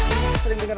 apakah itu jelas